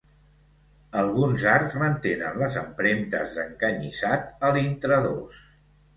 Alguns arcs mantenen les empremtes d'encanyissat a l'intradós.